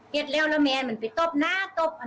เร็วแล้วแล้วแม่มันไปตบนะตบ